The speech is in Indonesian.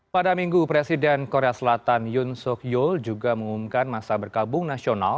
pada minggu presiden korea selatan yun suk yul juga mengumumkan masa berkabung nasional